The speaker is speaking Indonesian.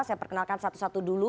saya perkenalkan satu satu dulu